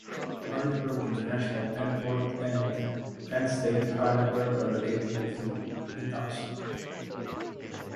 Harrisburg International Airport and Penn State Harrisburg are located within the township.